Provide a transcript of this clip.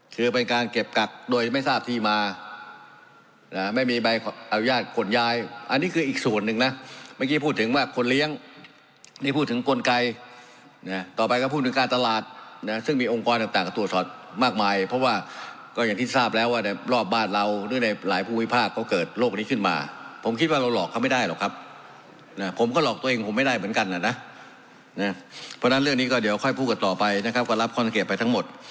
คือเป็นการเก็บกักโดยไม่ทราบที่มาไม่มีใบเอาญาติขนยายอันนี้คืออีกส่วนหนึ่งนะเมื่อกี้พูดถึงว่าคนเลี้ยงที่พูดถึงคนไกลต่อไปก็พูดถึงการตลาดซึ่งมีองค์กรต่างตัวสอบมากมายเพราะว่าก็อย่างที่ทราบแล้วว่าในรอบบ้านเราด้วยในหลายภูมิภาคก็เกิดโรคนี้ขึ้นมาผมคิดว่าเราหลอกเขาไม่ได้หรอกครั